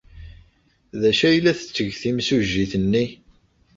D acu ay la tetteg timsujjit-nni?